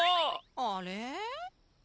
あれ？